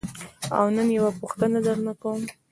او نن یوه پوښتنه درنه کوم.